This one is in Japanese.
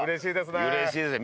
うれしいですね。